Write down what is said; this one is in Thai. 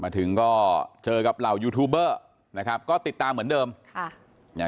ถึงก็เจอกับเหล่ายูทูบเบอร์นะครับก็ติดตามเหมือนเดิมค่ะอ่า